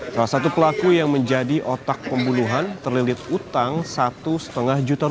salah satu pelaku yang menjadi otak pembunuhan terlilit utang satu lima juta